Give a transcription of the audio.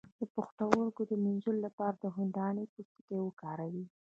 د پښتورګو د مینځلو لپاره د هندواڼې پوستکی وکاروئ